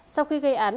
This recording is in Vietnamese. sau khi gây án